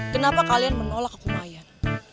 kenapa kalian menolak ke kumayan